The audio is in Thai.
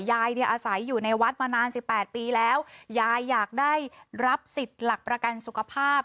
ยายเนี่ยอาศัยอยู่ในวัดมานานสิบแปดปีแล้วยายอยากได้รับสิทธิ์หลักประกันสุขภาพ